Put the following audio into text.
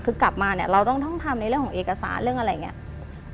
คือกลับมาเนี่ยเราต้องทำในเรื่องของเอกสารเรื่องอะไรอย่างนี้